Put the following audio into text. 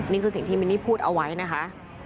นี่คือสิ่งที่มินนี่พูดเอาไว้นะคะ